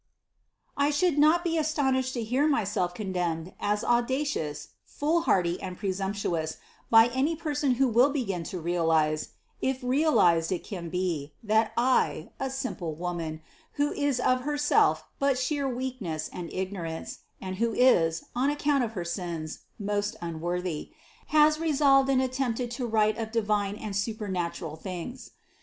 I should not be astonished to hear myself con demned as audacious, foolhardy and presumptuous by any person who will begin to realize (if realized it can be) that I, a simple woman, who is of herself but sheer weakness and ignorance and who is, on account of her sins, most unworthy, has resolved and attempted to write of divine and supernatural things.